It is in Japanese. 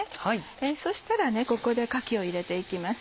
そしたらここでかきを入れていきます。